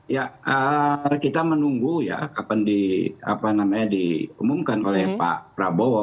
ya kita menunggu ya kapan diumumkan oleh pak prabowo